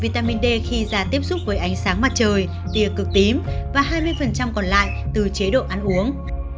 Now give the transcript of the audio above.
vitamin d khi da tiếp xúc với ánh sáng mặt trời tìa cực tím và hai mươi còn lại từ chế độ ăn uống